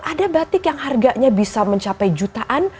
ada batik yang harganya bisa mencapai jutaan